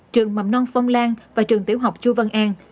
trường mầm non phong lan và trường tiểu học chu văn an